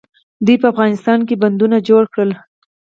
دوی په افغانستان کې بندونه جوړ کړل.